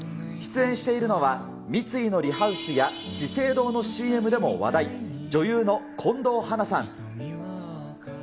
出演しているのは、三井のリハウスや、資生堂のＣＭでも話題、女優の近藤華さん。